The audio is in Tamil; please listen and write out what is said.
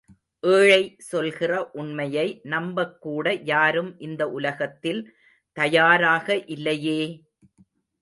ஏழை சொல்கிற உண்மையை நம்பக் கூட யாரும் இந்த உலகத்தில் தயாராக இல்லையே!